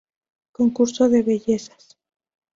Concurso de bellezas.